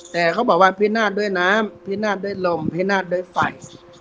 แต่เขาบอกว่าพินาศด้วยน้ำพินาศด้วยลมพินาศด้วยไฟ